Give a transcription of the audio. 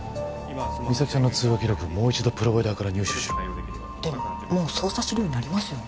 実咲さんの通話記録をもう一度プロバイダーから入手しろでももう捜査資料にありますよね